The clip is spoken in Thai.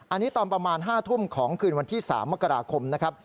อันนี้ตอนประมาณ๕ทุ่มของคืนวันที่๓มกราคมนะครับ